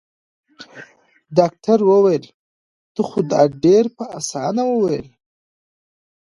ډاکټر وويل تا خو دا ډېر په اسانه وويل.